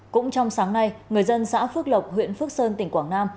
cũng trong sáng nay người dân xã phước lộc huyện phước sơn tỉnh quảng nam